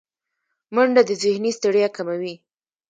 منډه د ذهني ستړیا کموي